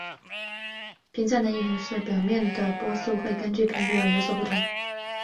频散的意思是表面波的波速会根据频率而有所不同。